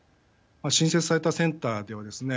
新設されたセンターではですね